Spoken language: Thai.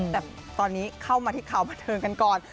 แต่ตอนนี้เข้ามาที่ข่าวบันเทิงกันก่อน